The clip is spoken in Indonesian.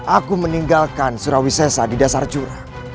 aku meninggalkan surawi sesa di dasar curah